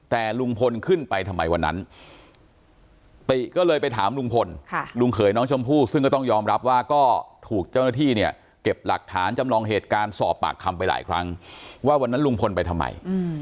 แต่ลุงพลขึ้นไปทำไมวันนั้นติก็เลยไปถามลุงพลลุงเขยน้องชมพู่ซึ่งก็ต้องยอมรับว่าก็ถูกเจ้าหน้าที่เนี่ยเก็บหลักฐานจำลองเหตุการณ์สอบปากคำไปหลายครั้งว่าวันนั้นลุงพลไปทำไม